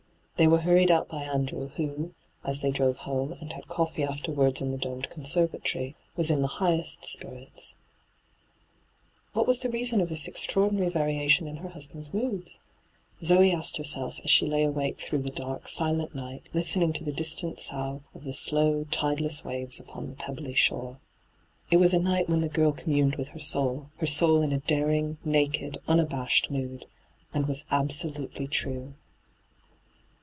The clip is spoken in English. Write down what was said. They were hurried out by Andrew, who, ae they drove home and had coffee afterwards in the domed conservatory, was in the hi^est spiritB. What was the reason of this extraordinary variation in her husband's moods ? Zoe asked herself, as she lay wakeful through the dark, silent night, listening to the distant sough of the slow, tideless waves upon the pebbly shore. It was a night when the girl com muned with her soul — her soul in a daring, naked, unabashed mood — and was absolutely true.